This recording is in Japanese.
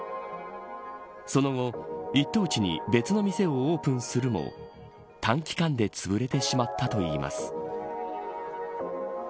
その後、一等地に別の店をオープンするも短期間でつぶれてしまったといいます。